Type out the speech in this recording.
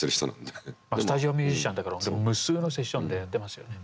スタジオミュージシャンだから無数のセッションでやってますよね。